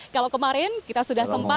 kalau kemarin kita sudah sempat